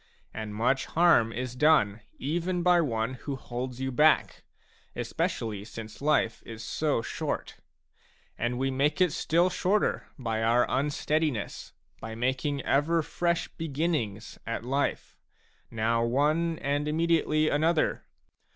And much harm is done even by one who holds you back, especially since life is so short ; and we make it still shorter by our un steadiness, by making ever fresh beginnings at life, now one and immediately another.